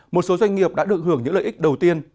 một số doanh nghiệp đã được hưởng những lợi ích đầu tiên